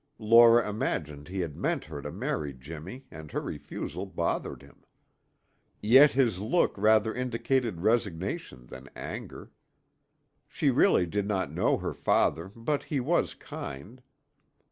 Laura imagined he had meant her to marry Jimmy and her refusal bothered him. Yet his look rather indicated resignation than anger. She really did not know her father, but he was kind.